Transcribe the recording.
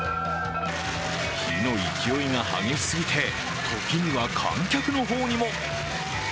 火の勢いが激しすぎて時には観客の方にも。